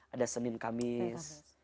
ada senin kamis